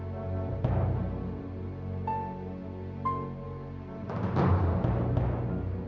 dalam perhitungan kota nahing restaurant